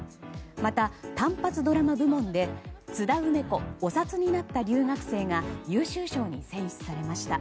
また、単発ドラマ部門で「津田梅子お札になった留学生」が優秀賞に選出されました。